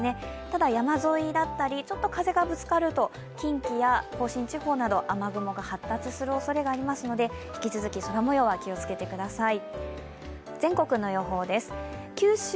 ただ、山沿いだったり風がぶつかると近畿や甲信地方など雨雲が発達するおそれがありますので引き続き空もようは気をつけてください。